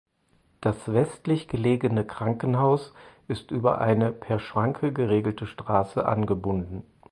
Das westlich gelegene Krankenhaus ist über eine per Schranke geregelte Straße angebunden.